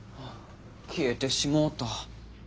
消えてしもうた。